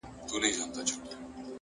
هوډ د نامعلومو لارو جرئت دی.!